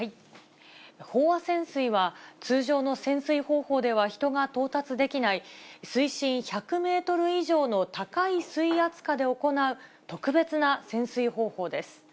飽和潜水は、通常の潜水方法では人が到達できない、水深１００メートル以上の高い水圧下で行う、特別な潜水方法です。